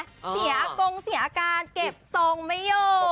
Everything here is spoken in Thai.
เสียอากงเสียอาการเก็บทรงไม่อยู่